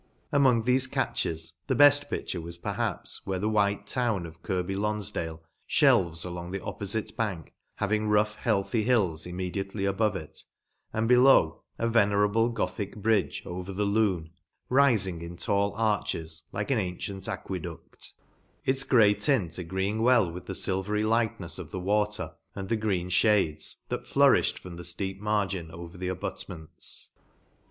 Among thefe catches, the beft picture was, perhaps, where the white town of Kirby Lonfdale fhelves along the oppofite bank, having rough heathy hills immediately above it, and, below, a venera ble Gothic bridge over the Lune, rifing In tall arches, like an antient aqueduct ; its grey tint agreeing well with the filvery lightnefs of the water and the green fhades, that flourifhed from the fleep margin over the abutments.